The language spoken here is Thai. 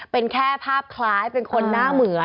เป็นแค่ภาพคล้ายเป็นคนหน้าเหมือน